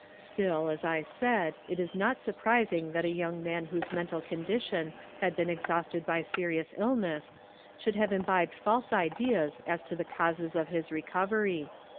Still, as I said, it is not surprising that a young man whose mental condition bad been ex hausted by serious illness, should have imbibed false ideas as to the causes of his recovery.